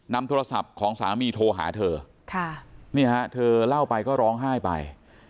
นำโทรศัพท์ของสามีโทรหาเธอค่ะนี่ฮะเธอเล่าไปก็ร้องไห้ไป